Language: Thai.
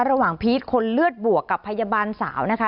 พีชคนเลือดบวกกับพยาบาลสาวนะคะ